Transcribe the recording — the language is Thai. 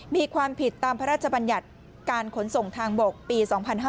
มีความผิดตามพระราชบัญญัติการขนส่งทางบกปี๒๕๕๙